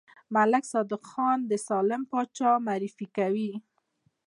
ملک صادق ځان د سالم پاچا معرفي کوي.